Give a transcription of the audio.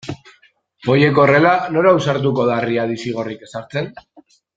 Horiek horrela, nor ausartuko da Riadi zigorrik ezartzen?